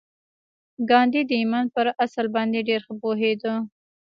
ګاندي د ایمان پر اصل باندې ډېر ښه پوهېده